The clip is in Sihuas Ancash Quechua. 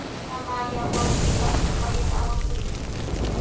Mamallaa wawqiipa chumpallanta awakuykan.